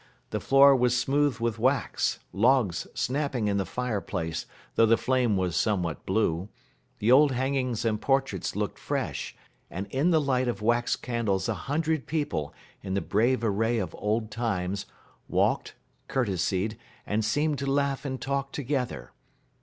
The floor was smooth with wax, logs snapped in the fireplace, though the flame was somewhat blue, the old hangings and portraits looked fresh, and in the light of wax candles a hundred people, in the brave array of old times, walked, courtesied, and seemed to laugh and talk together.